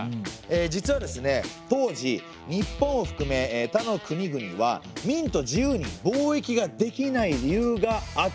実はですね当時日本をふくめ他の国々は明と自由に貿易ができない理由があったんですね。